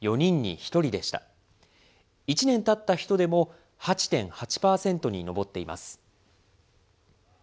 １年たった人でも８．８％に上っています。